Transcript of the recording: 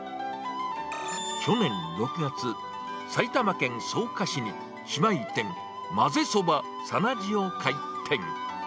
去年６月、埼玉県草加市に姉妹店、まぜそばさなじを開店。